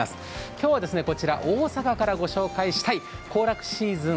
今日は大阪からご紹介したい「行楽シーズン！